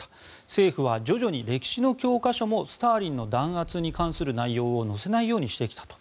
政府は徐々に歴史の教科書もスターリンの弾圧に関する内容を載せないようにしてきたと。